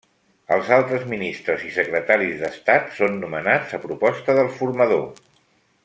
Els altres ministres i secretaris d'Estat són nomenats a proposta del formador.